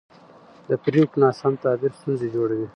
د پرېکړو ناسم تعبیر ستونزې جوړوي